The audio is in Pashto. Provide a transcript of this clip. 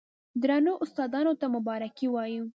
درنو استادانو ته مبارکي وايو،